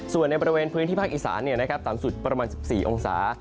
ส่วนในบริเวณพื้นที่ภาคอีสานต่ำสุดประมาณ๑๔องศา